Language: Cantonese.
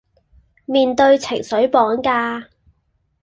面對情緒綁架